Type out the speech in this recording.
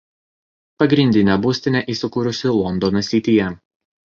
Pagrindinė būstinė įsikūrusi Londono Sityje.